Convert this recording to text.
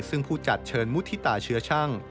ซึ่งผู้จัดเชิญมุฒิตาเชื้อช่าง